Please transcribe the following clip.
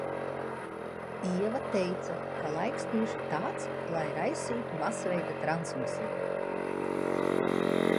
Ieva teica, ka laiks tieši tāds, lai raisītu masveida transmisiju.